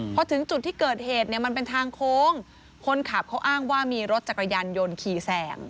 พอถึงจุดที่เกิดเหตุเนี่ยมันเป็นทางโค้งคนขับเขาอ้างว่ามีรถจักรยานยนต์ขี่แสง